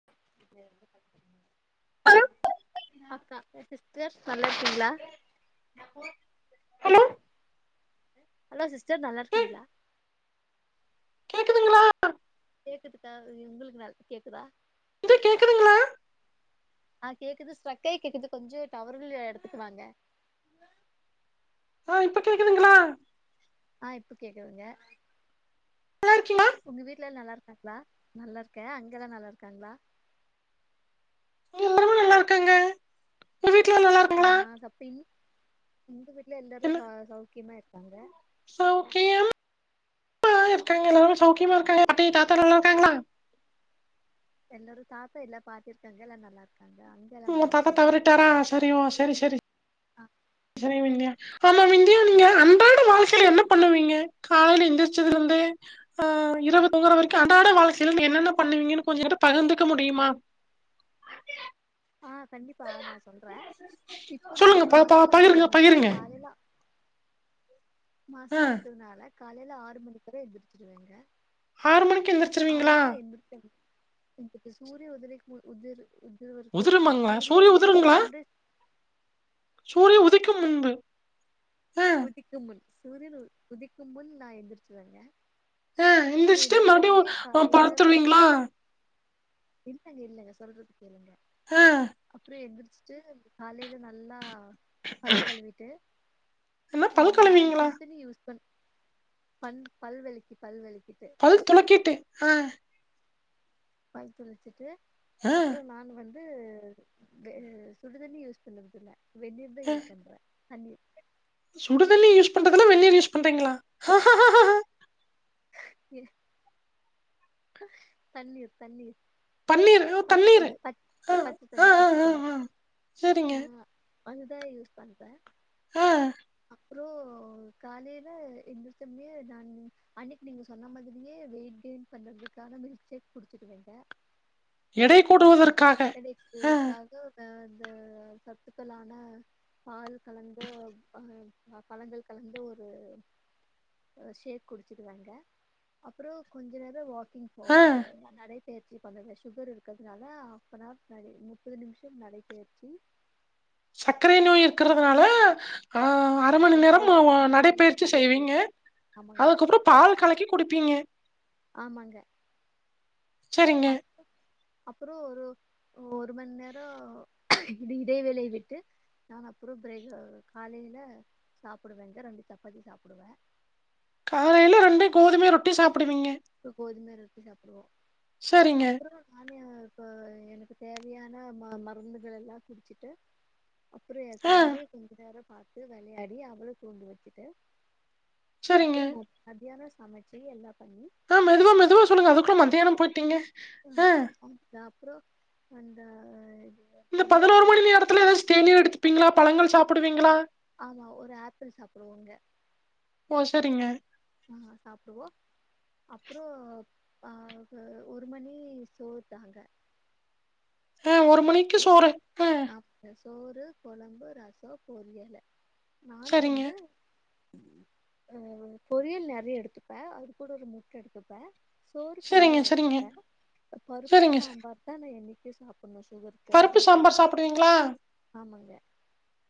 [inaudible] அக்கா அ சிஸ்டர்ஸ் நல்லாருக்கீங்களா ஹலோ ஹலோ சிஸ்டர் ஏ நல்லாருக்கீங்களா கேக்குதுங்களா கேக்குதுக்கா உ உங்களுக்கு நல் கேக்குதா கேக்குதுங்களா ஆ கேக்குது ஸ்ட்ரக்காய் கேக்குது கொஞ்சோ டவரு உள்ள எடத்துக்கு வாங்க ஆ இப்ப கேக்குதுங்களா ஆ இப்ப கேக்குதுங்க நல்லா இருக்கிங்களா உங்க வீட்ல நல்லா இருக்காங்களா நல்லா இருக்கேன் அங்க எல்லா நல்லா இருக்காங்களா இங்க எல்லாருமே நல்லா இருக்காங்க உங்க வீட்ல நல்லா இருக்காங்களா ஆமா சப்பிங் உங்க வீட்ல எல்லாரு ச சௌக்கியமா இருக்காங்க சௌக்கியம் ஆ இருக்காங்க எல்லாருமே சௌக்கியமா இருக்காங்க அத்தை தாத்தா நல்லா இருக்காங்களா எல்லோரு தாத்தா இல்ல பாட்டி இருக்குறாங்க எல்லா நல்லா இருக்காங்க அங் உங்க தாத்தா தவறிட்டாரா சரி ஓ சரி சரி சரி விந்தியா பட் வாழ்க்கைல என்ன பண்ணுவீங்க காலைல எந்திருச்சதுல இருந்தே ஆ இரவு தூங்குற வரைக்கு அன்றாட வாழக்கைல நீ என்னென்ன பண்ணுவீங்கனு கொஞ்ச எங்கிட்ட பகிந்துக்க முடியுமா ஆ கண்டிப்பா நா சொல்றேன் இப்போ சொல்லுங்க நானு ப ப மாசமா பகிருங்க இருக்குறதுனால பகிருங்க காலைல ஆ மாசமா இருக்குறதுனால காலைல ஆறு மணிக்கெல்லா எந்திருச்சிருவேங்க ஆறு மணிக்கு ஆறு எந்திரிச்சிருவீங்களா மணி எந்திப்பே எந்திப்பே சூரிய உதிரிக்கு உதிர் உதி தவரைக்கு உதிருமாங்களா சூரிய சூரியன் சன் ரைஸ் சூரியன் உதிக்கும் முன்பு ஆ புதிக்கும் முன் சூரியன் உதிக்கும் முன் நா எந்திரிச்சிருவங்க ஆ எந்திருச்சிட்டு மறுப்படியும் காலையில பாத்துருவிங்களா இல்லங்க இல்லங்க சொல்றத கேளுங்க ஆ அப்பறோ எந்திரிச்சிட்டு காலையில நல்லா பல் கழுவிட்டு என்ன ஆ பல் நான் கழுவீங்களா சுடுத்தண்ணி யூஸ் பண் பண் பல் வெளக்கி பல் வெளக்கிட்டு பல் துலக்கிட்டு ஆ பல் துலக்கிட்டு ஆ அப்பறம் நான் வந்து வே சுடு தண்ணி யூஸ் பண்ணறது இல்ல வெண்ணீர் தான் ஆ யூஸ் பண்றேன் தண்ணீர் சுடுதண்ணி யூஸ் பண்றதில்ல வெண்ணீர் யூஸ் பண்றீங்களா ஏ இப்ப தண்ணீர் தண்ணீர் பன்னீர் ஓ பச்ச தண்ணீர் தண்ணீ பச் ஆ பச்ச ஆ தண்ணீ ஆ பச்ச ஆ தண்ணீ ஆ சரிங்க ஆ அதுதான் யூஸ் பண்றேன் ஆ அப்பறோ காலையில எந்திரிச்சமே நான் அன்னைக்கி நீங்க சொன்ன மாதிரியே வெயிட் கெயின் பண்றதுக்காக மில்க்ஷேக் குடிச்சிடுவேங்க எடை கூடுவதற்கு கிடைப்பதற்காக நா அந்த சத்துக்களான பால் கலந்து அ பழங்கள் கலந்து ஒரு ஷேக் குடிச்சிடுவங்க அப்பறோம் கொஞ்ச நேர வாக் க்கிங் ஆ போவங்க நடை பெயற்சி பண்ணுவே சுகர் இருக்குறதுனால இப்பனா நடை முப்பது நிமிஷம் நடைபெயற்சி சக்கரை நோய் இருக்குறதுனால ஆ அரை மணி நேரம் ஓ வா ம், ம், நடைப்பயிற்சி செய்வீங்க நடைப்பயிற்சி ஆமாங்க அதுக்கப்பறம் பால் கலக்கி குடிப்பீங்க ஆமாங்க சரிங்க அப்றோ அப்புறம் ஒரு ஒரு மண்நேரோ இடைவேளைய விட்டு நான் அப்பறம் பிரேக் காலைல சாப்பிடுவேங்க ரெண்டு சப்பாத்தி சாப்பிடுவேன் காலையில ரெண்ட கோதுமை ரொட்டி சாப்பிடுவீங்க இப்போ கோதும ரொட்டி சாப்பிடுவோம் சரிங்க. அப்றோ ஆனியா இப்போ எனக்கு தேவையான ம மருந்துகள் எல்லாம் குடிச்சிட்டு அப்பறம் என் ஆ. கொழந்தைய கொஞ்ச நேரம் பார்த்து விளையாடி அவ்ள தூங்க வச்சுட்டு சரிங்க. அப்பறம் மத்தியானம் சமைச்சு எல்லா பண்ணி ஆ மெதுவா மெதுவா சொல்லுங்கள் அதுக்குள்ள மதியானம் போய்டீங்க ஆ அ அப்பறோ அந்த இந்த பதினோரு மணி நேரத்துல எ ஏதாச்ச தேநீர் எடுத்துப்பீங்களா பழங்கள் சாப்பிடுவீங்களா ஆமா ஒரு ஆப்பிள் சாப்புடுவோங்க ஓ சேரிங்க வாங்க சாப்டுவோ அப்றோ அ‌ க ஒரு மணி சோர் தாங்க ஆ ஒரு மணிக்கு சோறு ஆ அ சோறு குழம்பு ரசோ பொரியல்லு நானு சரிங்க. வந்து பொரியல் நறைய எடுத்துப்பேன் அது கூட ஒரு முட்ட எடுத்துப்பேன் சோறு சரிங்க, கம்மியா சரிங்க. எடுத்துபேன் பருப்பு சரிங்க சார். சாம்பார் தான் நான் என்னிக்கு சாப்பணும் சுகர் பருப்பு சாம்பார் சாப்பிடுவீங்களா ஆமாங்க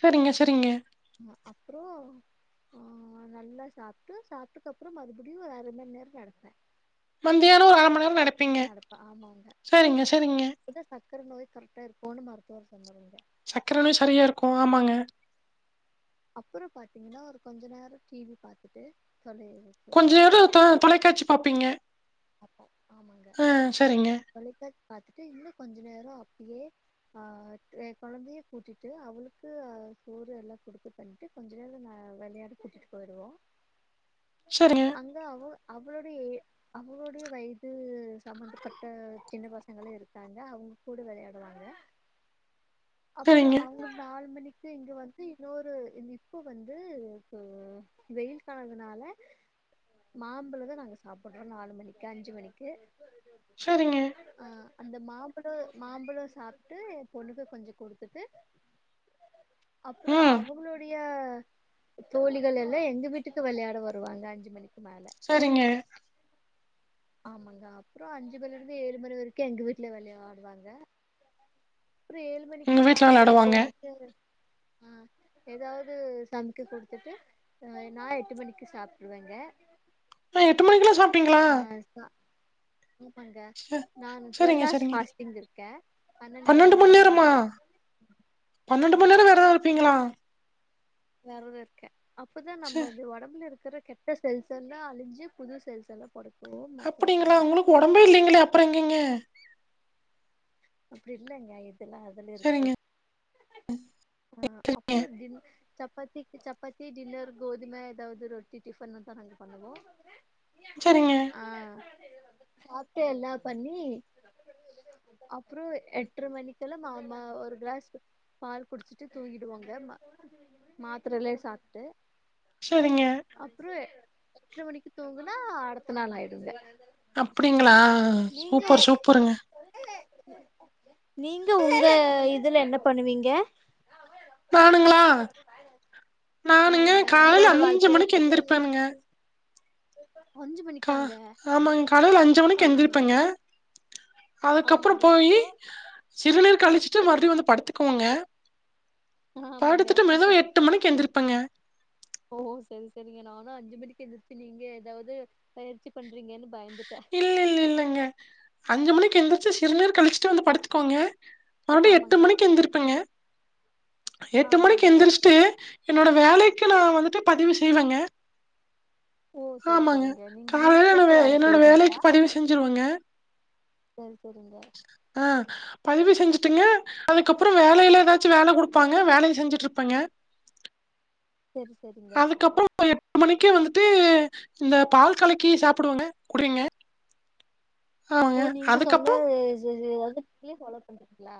சேரிங்க சேரிங்க ஆமா அப்றோ ஆ நல்லா சாப்ட்டு சாப்பட்டுக்கப்புறம் மறுபடியும் ஒரு அரமண் நேரம் நடப்பேன் மந்தியானம் ஒரு அரை மணி நேரம் நடப்பீங்க சேரிங்க சேரிங்க அப்பதான் சர்கக்கரை நோய் கரெக்டா இருக்கும்ன்னு மருத்துவர் சொன்னாருங்க சக்கர நோய் சரியா இருக்கும் ஆமாங்க அப்பறோ பார்த்தீங்கன்னா ஒரு கொஞ்ச நேரம் டி வி பார்த்துட்டு தொலை கொஞ்சம் நேரம் தொலைக்காட்சி பார்ப்பீங்க பாப்பம் ஆமாங்க ஆ சரிங்க. தொலைகா பாாரத்துட்டு இன்னும் கொஞ்சோ நேரம் அப்பயே ஆ என் குழந்தையே கூட்டிட்டு அவளுக்கு அஹ் சோறு எல்லாம் குடுக்க பண்டு கொஞ்ச நேரம் நான் விளையாடு கூட்டிட்டு போயிடுவோம் சேரிங்க ஓ அவ அவளுடைய அவங்களுடைய வயது சம்பந்தப்பட்ட சின்ன பசங்களும் இருக்காங்க அவங்க கூட விளையாடுவாங்க அப்பறோ சரிங்க. அ ஒரு நாலு மணிக்கு இங்க வந்து இன்னொரு இப்போ வந்து கொ வெயில் காலதுனால மாம்பழதான் நாங்க சாப்ப அ நாலு மணிக்கு அஞ்சு மணிக்கு சரிங்க. ஆ அந்த மாம்பழம் மாம்பழம் சாப்ட்டு என் பொண்ணுக்கு கொஞ்சோ குடுத்துட்டு அப்புறம் ம் அவங்களுடைய தோழிகள் எல்லாம் எங்க வீட்டுக்கு விளையாட வருவாங்க அஞ்சு மணிக்கு மேல சரிங்க ஆமாங்க அப்புறம் அஞ்சு மணில இருந்து ஏழு மணி வரிக்கும் எங்க வீட்ல வெளயாடுவாங்க அப்றம் ஏழு எங்க மணிக்கு நா வீட்ல ஏன் வெளாடுவாங்க பொண்ணுக்கு ஆ ஏதாவது சமைக்க குடுத்துட்டு ஆ நா எட்டு மணிக்கு சாப்ட்ருவேங்க ஆ எட்டு மணிக்கு ல்லாம் சாப்ட்ருவீங்களா வேஸ்தா என்ன பண்ற நா டுவெல் சரிங்க ஹார்ஸ் சரிங்க ஃபாஸ்டிங் இருக்கே பன்னெண்டு மண் நேரம் உம் [inaudible] பன்னெண்டு மணி நேர வெரதம் இருப்பீங்ளா வெறதோ இருக்கே அப்பதா ச நம்ம இது ஒடம்புல இருக்கிற கெட் ட செல்ஸ் எல்லா அழிஞ்சு புது செல்ஸ் எல்லா பொற அப்டிங்களா உங்களுக்கு ஒடம்பே இல்லைங்களே அப்புறோ எங்கேங்க அப்டி இல்லங்க இதெல்லா அதுல இருக்கு சரிங்க ஆ அப்போ டின் சப்பாத்திக்கு சப்பாத்தி டின்னர் கோதுமை ஏதாவது ரொட்டி டிஃபன்னு தா நாங்க பண்ணுவோ சரிங்க ஆ சாப்ட்டு எல்லா பண்ணி அப்றோ எட்ர மணிக்கெல்லா மாமா ஒரு கிளாஸ் பால் குடிச் ட்டு தூக்கிடுவாங்க மா மாத்திரலே சாப்ட்டு செரிங்க அப்புறோ எட்ர மணிக்கு தூங்குனா அடுத்த நாள் ஆயிடுங்க அப்டிங்களா நீங்க சூப்பர் சூப்பருங்க நீங்க உங்க இதுல என்ன பண்ணுவீங்க நானுங்களா நானுங்க ஆமாங்க காலைல அன்றாட அஞ்சு வாழ்க்கையில மணிக்கு காலையில எந்திருப்பேனுங்க எழுந்து அஞ்சு கா மணிக்காங்க ஆமாங் காலையில அஞ்சு ஆ மணிக்கு எந்திருப்பேங்க அதுக்கப்புறோ ஆமாங்க போயி அப்றோ சிறுநீர் கழிச்சுட்டு மறுபடியு வந்து படுத்துக்குவேங்க ஆமாங்க படுத்துட்டு மெதுவா எட்டு மணிக்கு எழுந்திரிருப்பேங்க ஓ செரி செரிங்க நானுஅஞ்சு மணிக்கு எந்திரச்சு நீங்க ஏதாவ்து பயிற்சி பண்றீங்கன்னு பயந்துட்டே அஞ்சு மணிக்கு எந்திரிச்சு சிறுநீர் கழிச்சுட்டு வந்து படுத்துக்குவங்க மறுபடியு எட்டு ஆமாங்க மணிக்கு எந்திரிப்பேங்க எட்டு மணிக்கு ஆமாங்க எந்திரிச்ட்டு என்னோட வேலைக்கு நா வந்துட்டு பதிவு செய்வேங்க ஓ செரி ஆமாங்க செரிங்க நீங்க வீட்ல காலைலன்னாவே இருந்து வேல என்னோட வேலைக்கு செய்றீங்களா பதிவு செஞ்சிருவேங்க சேரி செரிங்க ஆ பதிவு செஞ்சுட்டுங்க அதுக்கப்புறோ வேலையில ஏதாச்சு வேல கொடுப்பாங்க வேலைய செஞ்சுட்டு இருப்பேங்க செரி செரி அதுக்கப்புறோ எட்டு மணிக்கே வந்துட்டு இந்த பால் கலக்கி சாப்டுவங்க குடிங்க இப்போ நீங்க சொன்ன அதுக்கப்புறம் ஸஸநீங்களே [unintelligible] ஃபாலோ பண்றீங்களா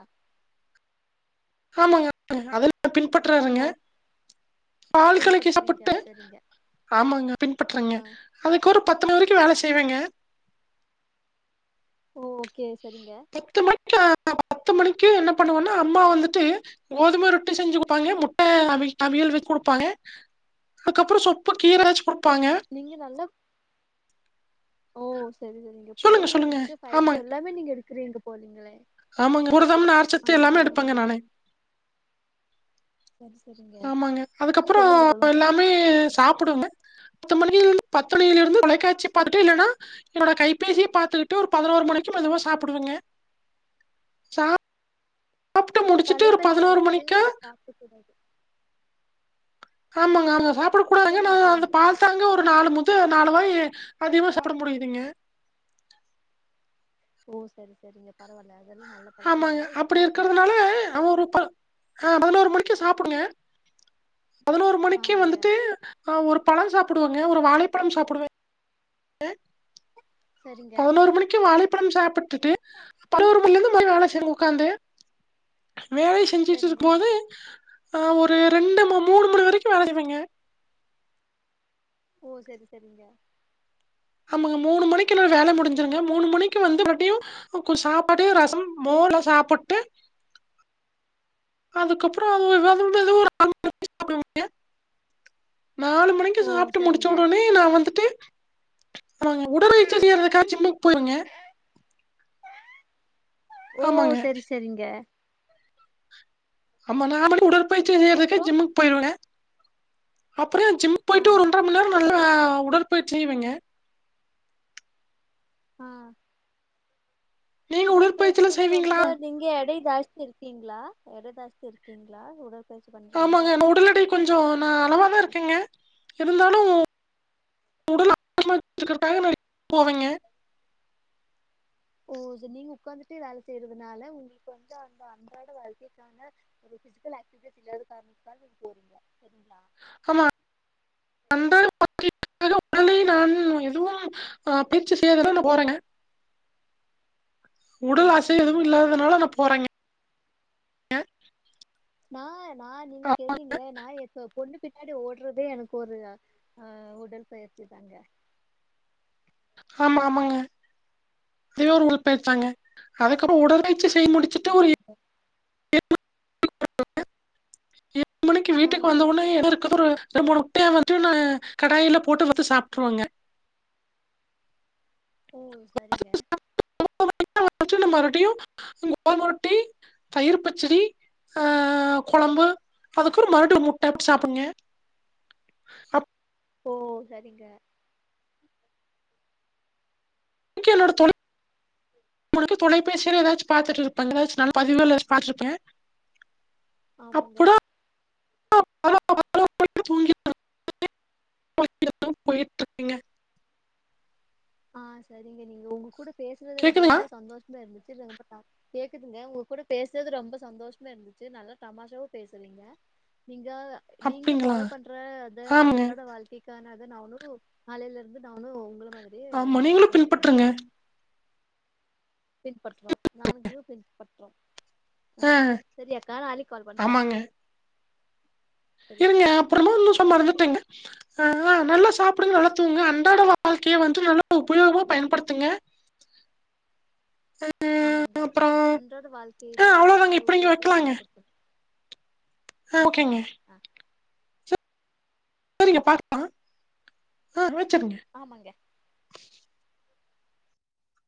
ஆமாங்க ஆமாங்க அதெல்லா ஓ பின்பற்றாருங்க பால் கலக்கி பின்பற்றுறீங்க சாப்பிட்டு செரிங்க ஆமாங்க பின்பற்றங்க ஆ அதுக்கு ஒரு பத்து மணி வரிக்கு வேல செய்வேங்க ஓ ஓகே சரிங்க மணிக்கு அஹ், பத்து மணிக்கு என்ன பண்ணுவன்னா அம்மா வந்துட்டு கோதும ரொட்டி செஞ்சு கொடுப்பாங்க முட்ட அவி அவியல் வ கொடுப்பாங்க அதுக்கப்றோ சொப்ப கீர வெச்சு குடுப்பாங்க நீங்க நல்லா ஓ சரி சரிங்க சொல்லுங்க, பு்ரோட்டீன் சொல்லுங்க. ரிச்சு ஃபைபர் ஆமாங்க, எல்லாமே நீங்க எடுக்கறீங்க போலீங்ளே ஆமாங்க புரதம், நார்சத்து எல்லாமே எடுப்பங்க நானு செரி செரிங்க ஆமாங்க ம் அதுக்கப்றோ சொல்லுங்க சொல்லுங்க எல்லாமே சாப்டுங்க பத்து மணி பத்து மணிலருந்து தொலைக்காட்சி பாத்துட்டு இல்லனா என்னோட கைபேசியே பாத்துகிட்டு ஒரு பதினோரு மணிக்கு மெதுவா சாப்டுவேங்க சா இப்ப தொலைபேசி பாத்து மணிக்கா சாப்டக்கூடாது ஆமாங்க ஆமா சாப்ட கூடாது நா சொல்லுங்க அந்த சொல்லுங்க பா அதாங்க ஒரு நாலு முத நாலு வாய் அதிகமா சாப்ட முடியுதுங்க ஓ சரி சரிங்க பரவால அதெல்லா நல்ல பழக்க இல்ல ஆமாங்க இதுக்கு அப்டி மேல பாத்துப்போ இருக்கறதுனால அவன் ஒரு அ பதினோரு மணிக்கு சாப்டுங்க பதினோரு மணிக்கு ஆமாங்க வந்துட்டு ஆ ஒரு பழம் சாப்டுவங்க ஒரு வாழைப்பழம் சாப்டுவங்க சரிங்க பதினோரு மணிக்கு வாழைப்பழம் சாப்ட்டுட்டு பதினோரு மாரி வேலை செய்ங்க உக்காந்து வேலை செஞ்சிட்டு சரிங்க இருக்கும்போது ஆ ஒரு ரெண்டு ம மூணு மணி வரைக்கு வேல செய்வங்க ஓ செரி செரிங்க அமாங்க மூணு மணிக்கெல்லா வேல முடிஞ்சிருங்க மூணு மணிக்கு வந்து மறுவடியு கொஞ்சோ சாப்பாடு, ரசம், மோர் எல்லா சாப்ட்டு அதுக்கப்றோ அது வந்தது ஒரு ஆறு மணிக்கு சாப்டுவங்க நாலு மணிக்கு ஓ சாப்ட்டு முடிச்ச சரிங்க ஒடனே நா வந்துட்டு அமாங்க உடற் உயிற்சி செய்றதுக்காக ஜிம்க்கு போயிருவங்க ஓ ஆமாங்க. செரி செரிங்க ஆமா நா வந்து உடற்பயிற்சி செய்யறதுக்கு அப்புறோ ஜிம்முக்கு போயிருவேன்ங்க அப்றோ ஜிம் ஆ போயிட்டு ஒரு ஒன்றரை மண் நேரோ நல்லா உடற்பயிற்சி செய்வங்க ஆ நீங்க உடல் உடற்பயிற்சிலாம் பயிற்சினா செய்வீங்களா? ரொம்ப நீங்க எடை ஜாஸ்தி இருக்கீங்ளா எடை ஜாஸ்தி இருக்கீங்ளா உடல் ஆமாங்க நம்ம உடல் எடை கொஞ்சோ நா அளவாதா இருக்கேங்க இருந்தாலு உடல் ஆரோக்கியமா வெச்சிக்கிறக்காக நா ஜிம்முக்கு போவேங்க ஓ செரி நீங்க உக்காந்துட்டே வேலை செய்யறதுனால உங்களுக்கு வந்து அந்த அன்றாட வாழ்க்கைக்கான ஒரு பிசிக்கல் ஆக்டிவிட்டீஸ் இல்லாத காரணத்துனால நீங்க போறீங்க சரிங்ளா ஆமா [inaudible] அலயே நான் எதுவு ஆ பயிற்சி செய்யதா போறங்க உடல் சரி அசை எதுவு சரிங்க இல்லாதனால நா போறங்க நா நா நீங்க ஆ கேட்டீங்கிளே நா எப்ப பொண்ணு பின்னாடி ஓடறதே எனக்கு ஒரு ஆ உடல் பயிற்சி தாங்க ஆமா ஆமாங்க அதே ஒரு உடற்பயிற்சிதாங்க அதுக்கப்றோ உடற்பயிற்சி செய்ய முடி ஆமாங் சார் [inaudible] ஏழு மணிக்கு வீட்டுக்கு ஆமாங்க வந்தவொன்னே [inaudible] வந்துட்டு நா கடாயில போட்டு வந்து சாப்ட்டுருவங்க ஓ சரிங்க [inaudible] தயிரு பச்சடி ஆ கொழம்பு அதுக்கொரு மறுடியு முட்ட சாப்பிடுன்கே ஓ சரிங்க இங்கே என்னோட தொழி உங்களுக்கு தொலைபேசியில ஏதாச்சு பாத்துட்டு இருப்பேங்க ஏதாச்சு நல்ல பதிவுகள் பாத்துருக்கே ஆமாங்க அப்பறோ [inaudible] தூங்கிப்பே கொஞ்ச [inaudible] இதெல்லா போயிட்டுருக்குங்க ஆ சரிங்க நீங்க உங்க கூட பேசுறது எனக்கு கேக்குதுங்களா? ரொம்ப சந்தோஷமா இருந்துச்சு ரொம்ப டாப் கேக்குதுங்க உங்க கூட பேசுறது ரொம்ப சந்தோஷமா இருந்துச்சு நல்லா தமாஷாவும் பேசுறீங்க நீங்க அப்டிங்களா? ஃபாலோ பண்ற அத ஆமாங்க. அன்றாட வாழ்ககை க்கனத நானு நாளைல இருந்து நானு உங்கள மாதிரியே ஆமா நீங்களும் ஃபாலோ பின்பற்றுங்க. பண்றேங்க பின்பற்றோம் நானுக்கு பின்பற்றோ ஆ சரியாக்கா நாளைக்கு கால் பண்றே ஆமாங்க. சரி அக்கா இருங்க அப்பறமா ஒண்ணு சொன்னாருங்க டேங்க ஆ நல்லா சாப்பிடுங்க நல்லா தூங்குங்க அன்றாட வாழ்க்கைய வந்துட்டு நல்லா உபயோகமா பயன்படுத்துங்க [inaudible] ஆமாங்க அப்புறம் அன்றாட வாழ்க்கையதா ஆஹ் அவ்வளவுதாங்க இப்படிங்க அளவுக்கு அதிகமா வைக்கலாங்க பயன்படுத்தணு ஆஹ் ஆ ஓகேங்க சரிங்க ஆ சரிங்க பாக்கலா ஆ வச்சுருங்க ஆமாங்க